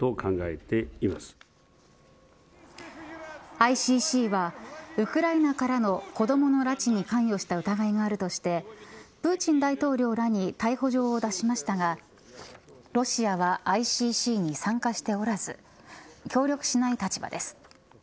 ＩＣＣはウクライナからの子どもの拉致に関与した疑いがあるとしてプーチン大統領らに逮捕状を出しましたがロシアはＩＣＣに参加しておらず協力しない立場です。